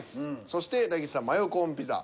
そして大吉さん「マヨコーンピザ」。